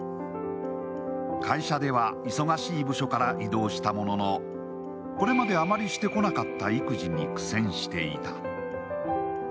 会社では忙しい部署から異動したものの、これまであまりしてこなかった育児に苦戦していた。